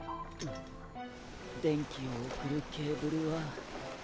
電気を送るケーブルは。